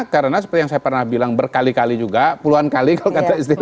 karena seperti yang saya pernah bilang berkali kali juga puluhan kali kalau kata istilah beliau tadi di tv